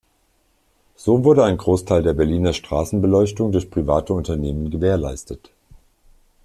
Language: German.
So wurde ein Großteil der Berliner Straßenbeleuchtung durch private Unternehmen gewährleistet.